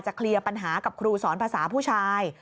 เคลียร์ปัญหากับครูสอนภาษาผู้ชาย